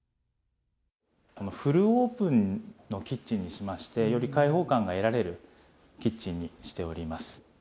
このフルオープンのキッチンにしまして、より開放感が得られるキッチンにしております。